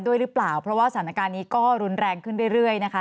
ด้วยหรือเปล่าเพราะว่าสถานการณ์นี้ก็รุนแรงขึ้นเรื่อยนะคะ